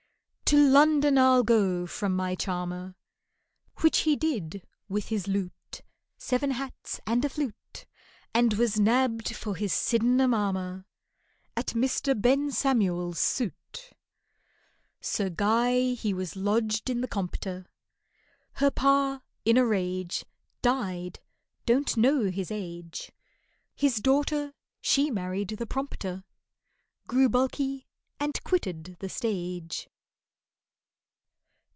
"To London I'll go from my charmer." Which he did, with his loot (Seven hats and a flute), And was nabbed for his Sydenham armour At MR. BEN SAMUEL'S suit. SIR GUY he was lodged in the Compter, Her pa, in a rage, Died (don't know his age), His daughter, she married the prompter, Grew bulky and quitted the stage.